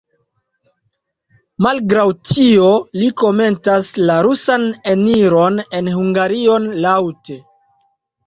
Malgraŭ tio li komentas la rusan eniron en Hungarion laŭte.